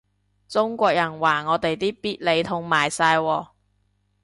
中國人話我哋啲必理痛賣晒喎